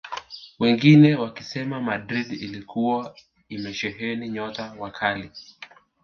Wengine wakisema Madrid ilikuwa imesheheni nyota wa kali